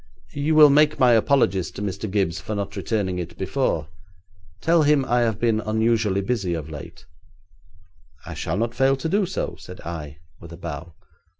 'You will make my apologies to Mr. Gibbes for not returning it before. Tell him I have been unusually busy of late.' 'I shall not fail to do so,' said I, with a bow.